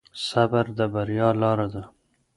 صبر د بريا لاره ده.